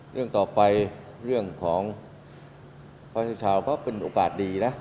เรื่องต่อไปเรื่องของพระเจ้าชาวก็เป็นโอกาสดีนะ